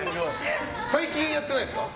最近やってないですか？